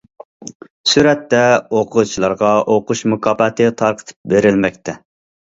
سۈرەتتە: ئوقۇغۇچىلارغا ئوقۇش مۇكاپاتى تارقىتىپ بېرىلمەكتە.